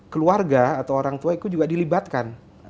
keluarga atau orang tua itu juga dilibatkan